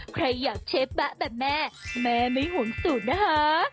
ใครอยากเชฟแบ๊ะแบบแม่แม่ไม่ห่วงสูตรนะคะ